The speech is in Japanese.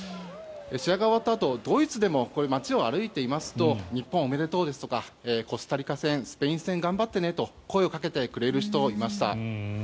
試合が終わったあとドイツでも街を歩いていますと日本おめでとうですとかコスタリカ戦、スペイン戦頑張ってねと声をかけてくれる人がいました。